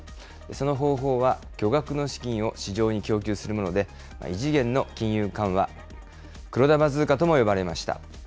その方法は、巨額の資金を市場に供給するもので、異次元の金融緩和、黒田バズーカとも呼ばれました。